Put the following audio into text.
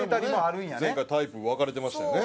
前回タイプ分かれてましたよね。